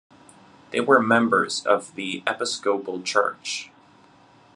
They were members of the Episcopal Church.